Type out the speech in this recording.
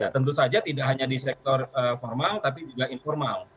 tentu saja tidak hanya di sektor formal tapi juga informal